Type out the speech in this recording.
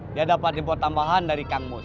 dia dapat impor tambahan dari kang mus